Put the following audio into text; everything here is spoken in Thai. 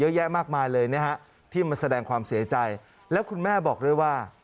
เยอะแยะมากมายเลยนะฮะที่มาแสดงความเสียใจแล้วคุณแม่บอกด้วยว่า